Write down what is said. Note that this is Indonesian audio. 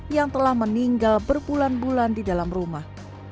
yang telah meninggal berbulan bulan di dalam rumah